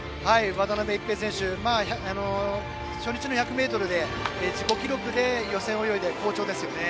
渡辺一平選手は初日の１００ｍで自己記録で予選を泳いで好調ですね。